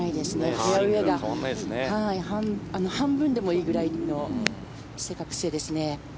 フェアウェーが半分でもいいぐらいの正確性ですね。